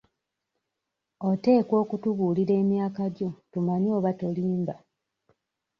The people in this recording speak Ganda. Oteekwa okutubuulira emyaka gyo tumanye oba tolimba.